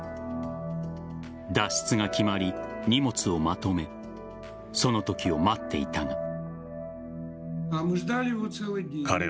脱出が決まり、荷物をまとめその時を待っていたが。